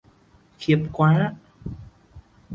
Khiếp quá